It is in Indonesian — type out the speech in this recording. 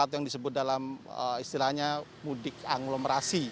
atau yang disebut dalam istilahnya mudik angglomerasi